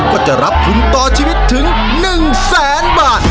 ก็จะรับทุนต่อชีวิตถึง๑แสนบาท